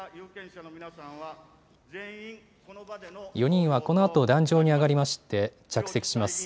４人はこのあと壇上に上がりまして、着席します。